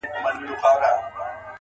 په خِصلت درویش دی یاره نور سلطان دی